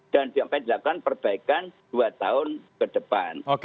dan diangkat dilakukan perbaikan dua tahun ke depan